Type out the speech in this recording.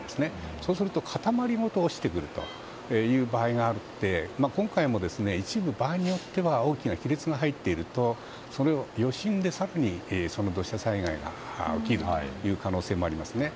そうすると塊ごと落ちてくることがあって今回も一部、場合によっては大きな亀裂が入っていると余震で更に土砂災害が起きる可能性もありますね。